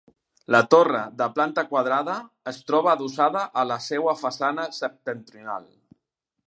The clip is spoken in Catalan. La torre, de planta quadrada, es troba adossada a la seua façana septentrional.